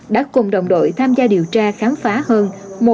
đã cùng đồng đội tham gia điều tra khám phá hơn